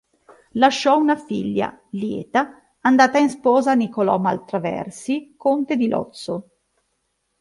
Lasciò una figlia, Lieta, andata in sposa a Nicolò Maltraversi conte di Lozzo.